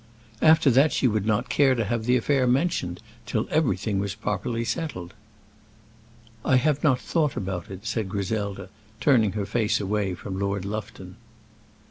After that she would not care to have the affair mentioned till everything was properly settled. "I have not thought about it," said Griselda, turning her face away from Lord Lufton.